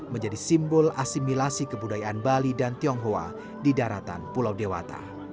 menjadi simbol asimilasi kebudayaan bali dan tionghoa di daratan pulau dewata